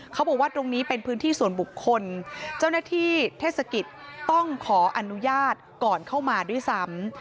เขาบอกว่าตรงนี้เป็นพื้นที่ส่วนบุคคลเจ้าหน้าที่เทศกิจต้องขออนุญาตก่อนเข้ามาด้วยซ้ำ